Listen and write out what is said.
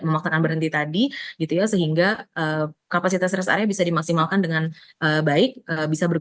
memaknakan berhenti tadi gitu ya sehingga kapasitas rest area bisa dimaksimalkan dengan baik bisa